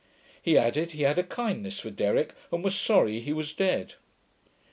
He added, he had a kindness for Derrick, and was sorry he was dead.